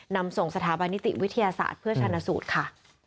นำส่งสถาบันนิติวิทยาศาสตร์เพื่อชนะสูตรค่ะ